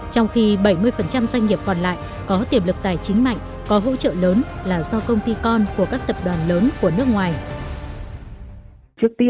có hỗ trợ lớn là do công ty con của các tập đoàn lớn của nước ngoài